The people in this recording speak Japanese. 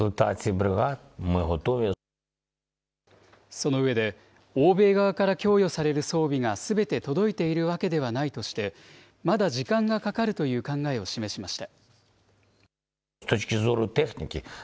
その上で、欧米側から供与される装備がすべて届いているわけではないとして、まだ時間がかかるという考えを示しました。